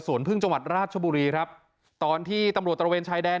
ส่วนพึ่งจังหวัดราชบุรีครับตอนที่ตำรวจตระเวนชายแดน